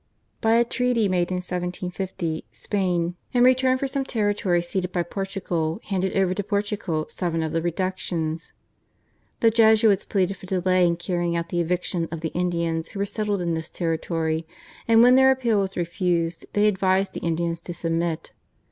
By a treaty made in 1750 Spain, in return for some territory ceded by Portugal, handed over to Portugal seven of the Reductions. The Jesuits pleaded for delay in carrying out the eviction of the Indians who were settled in this territory, and when their appeal was refused they advised the Indians to submit.